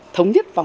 thống nhất vào